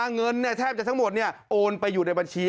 เงินแทบจะทั้งหมดโอนไปอยู่ในบัญชี